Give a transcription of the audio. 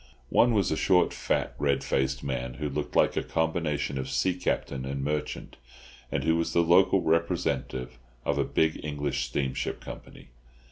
One was a short, fat, red faced man, who looked like a combination of sea captain and merchant, and who was the local representative of a big English steamship company.